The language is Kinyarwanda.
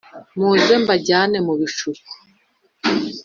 Muze mbajyane mu bishuko